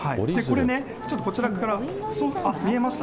これね、ちょっとこちらから、見えました？